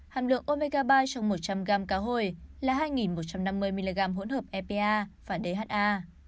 hàm lượng omega ba trong một trăm linh gram cá hồi là hai một trăm năm mươi mg hỗn hợp epa và dha